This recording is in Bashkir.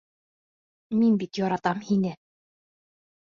Мин бит яратам һине.